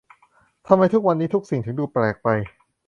ทำไมวันนี้ทุกสิ่งถึงดูแปลกไป !